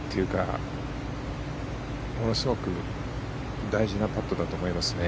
ものすごく大事なパットだと思いますね。